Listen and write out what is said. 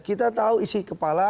kita tahu isi kepala